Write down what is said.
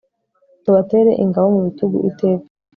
tubatere ingabo mubitugu iteka